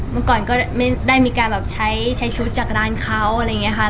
เมื่อก่อนก็ไม่ได้มีการแบบใช้ชุดจากร้านเขาอะไรอย่างนี้ค่ะ